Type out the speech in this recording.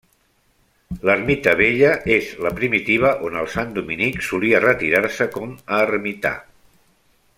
L'ermita vella és la primitiva on el sant dominic solia retirar-se com a ermità.